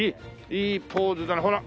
いいポーズだなほら。